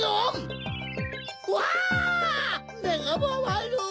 「めがまわる！」。